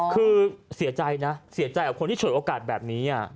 คือเสียใจนะเสียใจกับคนที่ฉวยโอกาสแบบนี้